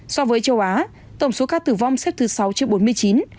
so với châu á tổng số ca tử vong xếp thứ sáu trước bốn mươi chín